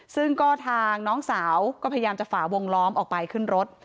ซึ่งก็ทางน้องสาวก็พยายามจะฝ่าวงล้อมออกไปขึ้นรถ